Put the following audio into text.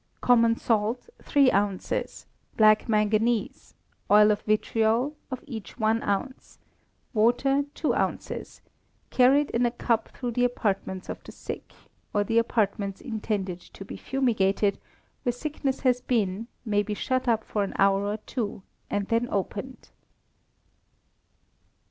Common salt, three ounces; black manganese, oil of vitriol, of each one ounce; water two ounces; carried in a cup through the apartments of the sick; or the apartments intended to be fumigated, where sickness has been, may be shut up for an hour or two, and then opened.